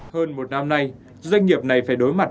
hơn một năm nay doanh nghiệp này phải đối mặt